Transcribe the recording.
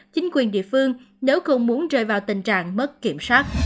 chính quyền địa phương nếu không muốn rơi vào tình trạng mất kiểm soát